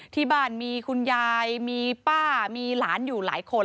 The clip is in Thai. ที่บ้านมีคุณยายมีป้ามีหลานอยู่หลายคน